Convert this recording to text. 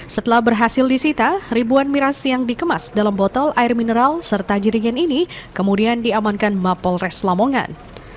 setelah berhasil disita ribuan miras yang dikemas dalam botol air mineral serta jiringan ini kemudian diamankan mapol res lamongan